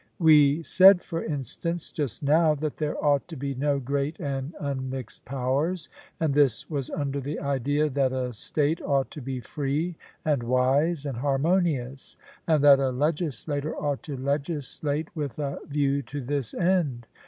We said, for instance, just now, that there ought to be no great and unmixed powers; and this was under the idea that a state ought to be free and wise and harmonious, and that a legislator ought to legislate with a view to this end.